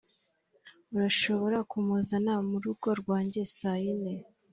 urashobora kumuzana mu rugo rwanjye saa yine